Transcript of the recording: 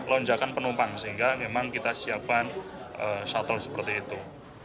lonjakan penumpang sehingga memang kita siapkan shuttle seperti itu